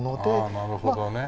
ああなるほどね。